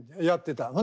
やってた。